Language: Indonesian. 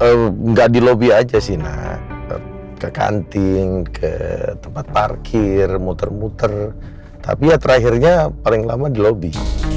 enggak di lobi aja sih nak ke kanting ke tempat parkir muter muter tapi ya terakhirnya paling lama di lobby